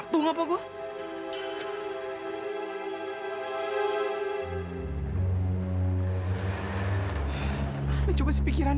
tidak untuk menghilang